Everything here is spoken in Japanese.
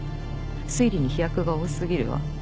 推理に飛躍が多過ぎるわ。